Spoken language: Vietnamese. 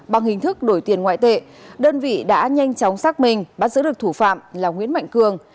bằng hình thức đổi tiền ngoại tệ đơn vị đã nhanh chóng xác minh bắt giữ được thủ phạm là nguyễn mạnh cường